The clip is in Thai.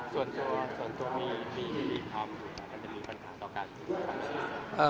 ส่วนตัวมีอีกคำสอบหรือปัญหาต่อการสอบความรู้สึก